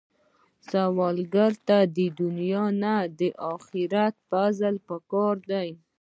سوالګر ته د دنیا نه، د خدای فضل پکار دی